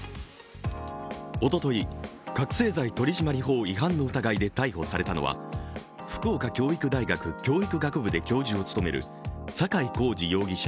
おととい覚醒剤取締法違反疑いで逮捕されたのは福岡教育大学教育学部で教授を務める坂井孝次容疑者